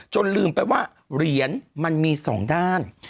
ลืมไปว่าเหรียญมันมี๒ด้าน